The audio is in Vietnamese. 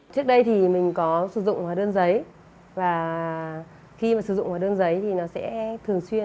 trước đây thì mình có sử dụng hóa đơn giấy và khi mà sử dụng hóa đơn giấy thì nó sẽ thường xuyên